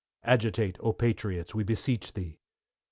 Agitate, oh, Patriots, we beseech thee!